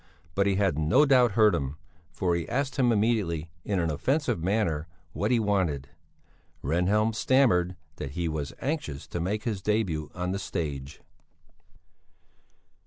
But he had no doubt heard him, for he asked him immediately, in an offensive manner, what he wanted. Rehnhjelm stammered that he was anxious to make his début on the stage.